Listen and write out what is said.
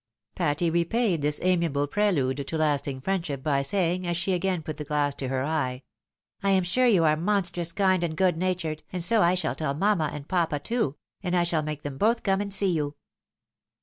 Patty repaid this amiable prelude to lasting fiiendship by saying, as she again put the glass to her eye, "I am sure you are monstrous kind and good natured, and so I shall tell mamma, and papa, too — and I shall make them both come and see you."